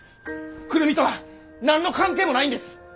久留美とは何の関係もないんです！